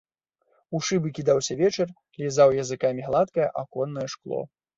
У шыбы кідаўся вечар, лізаў языкамі гладкае аконнае шкло.